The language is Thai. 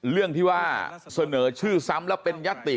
เรื่องที่ว่าเสนอชื่อซ้ำแล้วเป็นยติ